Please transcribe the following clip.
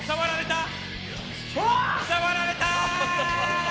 触られた！